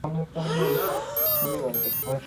নিজের বোন আমাকে সম্মান করে না।